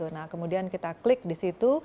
nah kemudian kita klik di situ